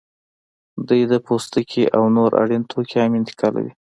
دوی د پوستکي او نور اړین توکي هم انتقالوي